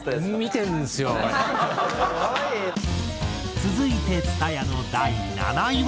続いて蔦谷の第７位は。